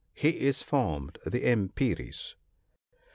' He is formed for Emperies."